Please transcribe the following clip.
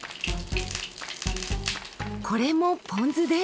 これもポン酢で。